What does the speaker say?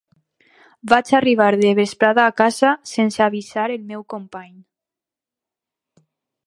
Vaig arribar de vesprada a casa sense avisar el meu company.